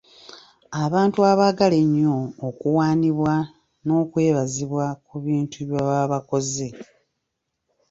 Abantu abaagala ennyo okuwaanibwa n'okwebazibwa ku bintu bye baba bakoze.